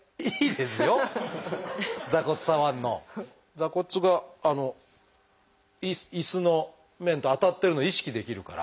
座骨があの椅子の面と当たってるの意識できるから。